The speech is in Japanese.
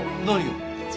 何よ？